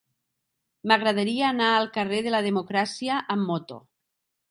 M'agradaria anar al carrer de la Democràcia amb moto.